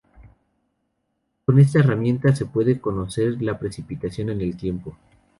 Con esta herramienta se puede conocer la precipitación en el tiempo.